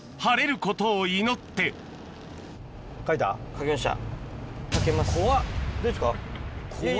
描けました。